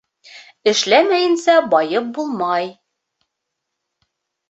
Эшләмәйенсә байып булмай.